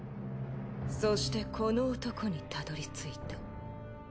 そしてこの男にたどり着いた。